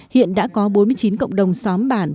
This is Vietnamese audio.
hiện đã có bốn mươi chín cộng đồng xóm bản